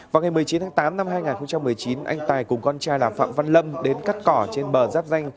vào ngày một mươi chín tháng tám năm hai nghìn một mươi chín anh tài cùng con trai là phạm văn lâm đến cắt cỏ trên bờ giáp danh